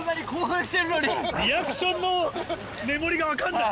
リアクションの目盛りが分かんない。